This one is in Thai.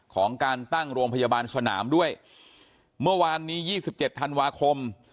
ของการตั้งโรงพยาบาลสนามด้วยเมื่อวานนี้๒๗ธันวาคม